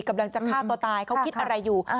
กำลังจะฆ่าตัวตายเขาคิดอะไรอยู่